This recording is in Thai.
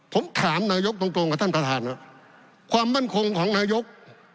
ผมถามนายกตรงตรงกับท่านประธานว่าความมั่นคงของนายก